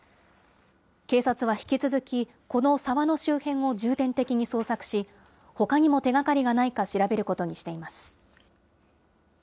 警察は引き続き、この沢の周辺を重点的に捜索し、ほかにも手がかりがないか調べることにしています。